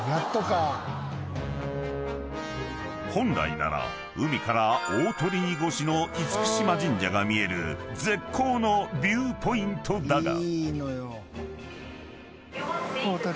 ［本来なら海から大鳥居越しの嚴島神社が見える絶好のビューポイントだが］